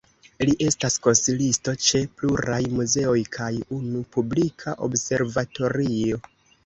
Li estas konsilisto ĉe pluraj muzeoj kaj unu publika observatorio.